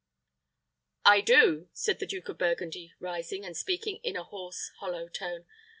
"I do," said the Duke of Burgundy, rising, and speaking in a hoarse, hollow tone.